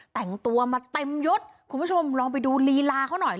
แต่งตัวมาเต็มยดคุณผู้ชมลองไปดูลีลาเขาหน่อย